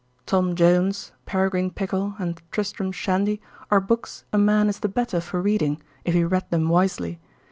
"Tom Jones," "Peregrine Pickle," and "Tristram Shandy" are books a man is the better for reading, if he read them wisely.